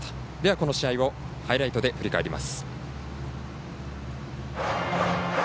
この試合をハイライトで振り返ります。